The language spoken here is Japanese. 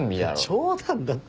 冗談だって。